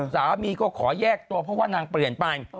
สามีก็ขอแยกตัวเพราะว่านางเปลี่ยนไป